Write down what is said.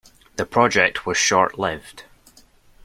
The project was short-lived.